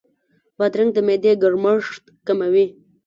بادرنګ د معدې ګرمښت کموي.